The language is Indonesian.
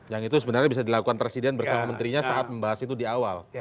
yang itu sebenarnya bisa dilakukan presiden bersama menterinya saat membahas itu di awal